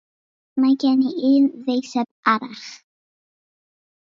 Mae gen i un ddeiseb arall.